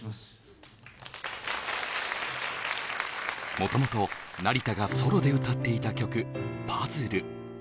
もともと成田がソロで歌っていた曲「パズル」